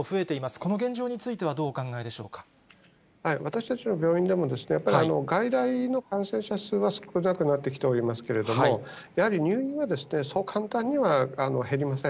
この現状についてはどうお考えで私たちの病院でもですね、やっぱり外来の感染者数は少なくなってきておりますけれども、やはり入院はですね、そう簡単には減りません。